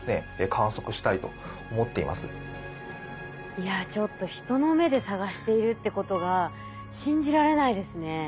いやちょっと人の目で探しているってことが信じられないですね。